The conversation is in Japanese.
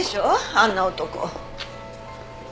あんな男。